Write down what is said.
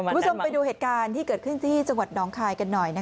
คุณผู้ชมไปดูเหตุการณ์ที่เกิดขึ้นที่จังหวัดน้องคายกันหน่อย